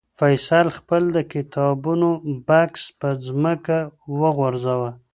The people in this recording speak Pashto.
فیصل خپل د کتابونو بکس په ځمکه وغورځاوه.